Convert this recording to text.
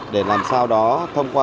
để làm sao đó thông qua